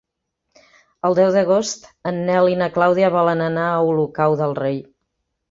El deu d'agost en Nel i na Clàudia volen anar a Olocau del Rei.